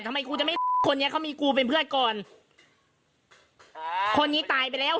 ทำไมกูจะไม่คนนี้เขามีกูเป็นเพื่อนก่อนอ่าคนนี้ตายไปแล้ว